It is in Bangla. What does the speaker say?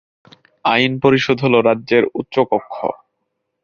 আইন পরিষদ হল রাজ্যের উচ্চকক্ষ।